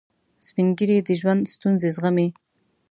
سپین ږیری د ژوند ستونزې زغمي